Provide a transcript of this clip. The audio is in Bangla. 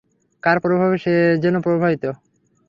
কার প্রভাবে সে যেন প্রভাবিত।